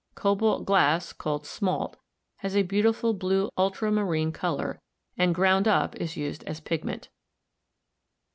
Cobalt glass, called smalt, has a beautiful blue ultramarine color, and ground up is used as a pigment.